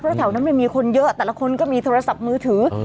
เพราะแถวนั้นไม่มีคนเยอะแต่ละคนก็มีโทรศัพท์มือถือ